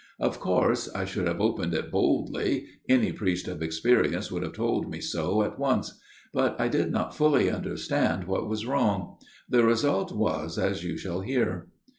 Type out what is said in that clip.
Of course I should have opened it boldly : any priest of experience would have told me so at once : but I did not fully understand what was wrong. The result was as you shall hear.